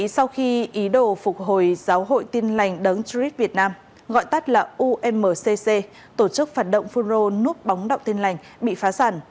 sau khi ý đồ phục hồi giáo hội tin lành đấng triết việt nam gọi tắt là umcc tổ chức phạt động full role núp bóng đọc tin lành bị phá sản